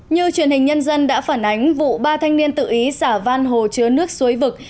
như truyền hình nhân dân đã phản ánh vụ ba thanh niên tự ý xả van hồ chứa nước suối vực